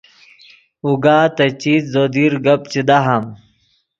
اوگا تے چیت زو دیر گپ چے دہام